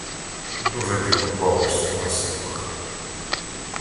Дуже підупав на силах.